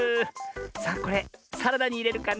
さあこれサラダにいれるかな？